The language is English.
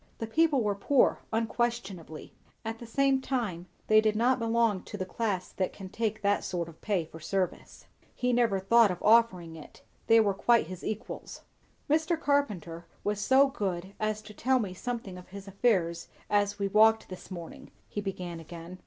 The people were poor unquestionably; at the same time they did not belong to the class that can take that sort of pay for service. He never thought of offering it. They were quite his equals. "Mr. Carpenter was so good as to tell me something of his affairs as we walked this morning," he began again.